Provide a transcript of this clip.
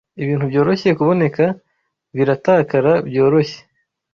Ibintu byoroshye kuboneka biratakara byoroshye.